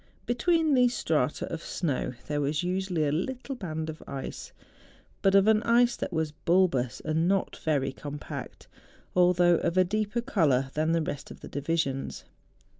Between these strata of snow there was usually a little band of ice, but of an ice that was bulbous and not very compact, although of a deeper colour than the rest of the divisions.